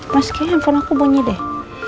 mas kayaknya handphone aku bunyi deh